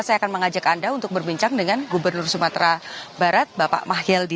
saya akan mengajak anda untuk berbincang dengan gubernur sumatera barat bapak mahyeldi